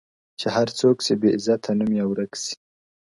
چي هر څوک سي بې عزته نوم یې ورک سي؛